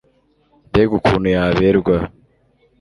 mbega ukuntu yaberwaga